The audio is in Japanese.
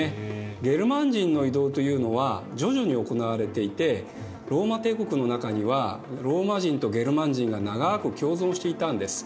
ゲルマン人の移動というのは徐々に行われていてローマ帝国の中にはローマ人とゲルマン人が長く共存していたんです。